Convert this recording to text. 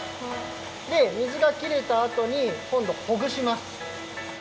で水がきれたあとにこんどほぐします。